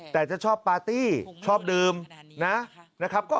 แต่จะชอบปาร์ตี้ชอบดื่มนะครับ